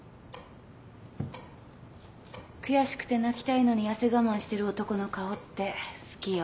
悔しくて泣きたいのに痩せ我慢してる男の顔って好きよ。